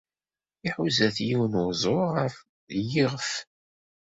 Iḥuza-t yiwen n weẓru ɣer yiɣef.